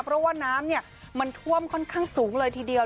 เพราะว่าน้ำมันท่วมค่อนข้างสูงเลยทีเดียว